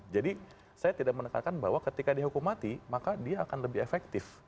jadi saya tidak menekankan bahwa ketika dihukum mati maka dia akan lebih efektif